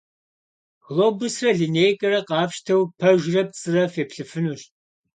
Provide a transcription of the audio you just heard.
Глобусрэ линейкэрэ къафщтэу, пэжрэ пцӀырэ феплъыфынущ.